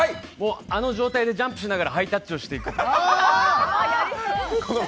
あの状態でジャンプしながらハイタッチしていく。